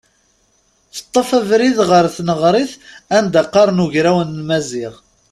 Teṭṭef abrid ɣer tneɣrit anda qqaren ugraw n Maziɣ.